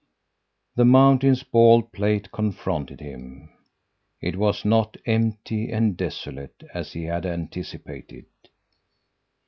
"The mountain's bald plate confronted him. It was not empty and desolate, as he had anticipated.